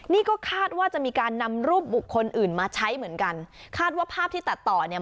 นี่ก็คาดว่าจะมีการนำรูปบุคคลอื่นมาใช้เหมือนกันคาดว่าภาพที่ตัดต่อเนี่ย